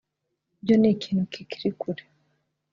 byo ni ikintu kikiri kure